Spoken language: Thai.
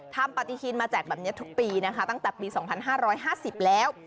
ทำปฏิทินมาแจกแบบนี้ทุกปีนะคะตั้งแต่ปี๒๕๕๐แล้ว